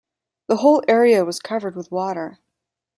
The whole area was covered with water.